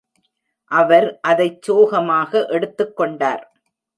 அவர் அதைச் சோகமாக எடுத்துக் கொண்டார்.